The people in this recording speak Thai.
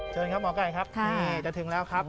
เชิญครับหมอไก่ครับนี่จะถึงแล้วครับ